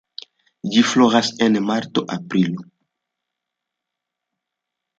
Ĝi floras en marto-aprilo.